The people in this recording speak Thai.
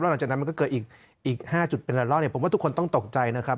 หลังจากนั้นมันก็เกิดอีก๕จุดเป็นละลอกเนี่ยผมว่าทุกคนต้องตกใจนะครับ